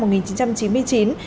dẫn đến mâu thuẫn